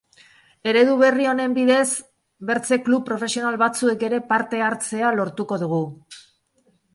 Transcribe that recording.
Eredu berri honen bidez beste klub profesional batzuek ere parte hartzea lortuko dugu.